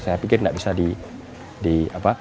saya pikir tidak bisa disamakan